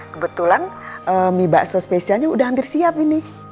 kebetulan mie bakso spesialnya udah hampir siap ini